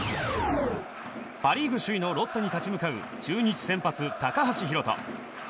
パ・リーグ首位のロッテに立ち向かう中日先発、高橋宏斗。